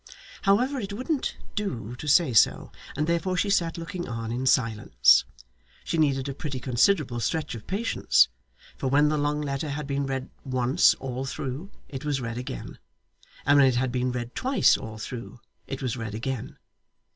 However it wouldn't do to say so, and therefore she sat looking on in silence. She needed a pretty considerable stretch of patience, for when the long letter had been read once all through it was read again, and when it had been read twice all through it was read again.